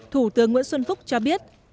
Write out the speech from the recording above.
thủ tướng nguyễn xuân phúc cho biết